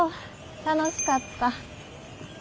楽しかった。